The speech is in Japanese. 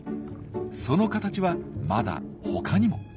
その形はまだ他にも。